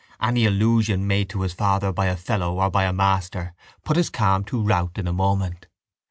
Any allusion made to his father by a fellow or by a master put his calm to rout in a moment.